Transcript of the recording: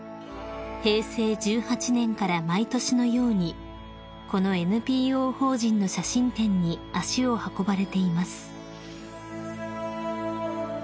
［平成１８年から毎年のようにこのＮＰＯ法人の写真展に足を運ばれています］